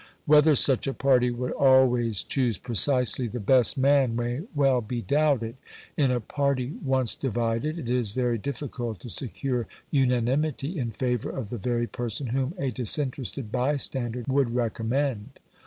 Whether such a party would always choose precisely the best man may well be doubted. In a party once divided it is very difficult to secure unanimity in favour of the very person whom a disinterested bystander would recommend.